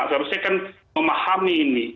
seharusnya kan memahami ini